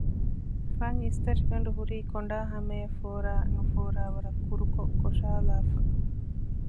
ފަން އިސްތަށިގަނޑު ހުރީ ކޮނޑާ ހަމަޔަށް ފޯރާ ނުފޯރާ ވަރަށް ކުރުކޮށް ކޮށައިލައިފަ